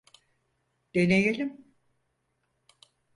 Deneyelim.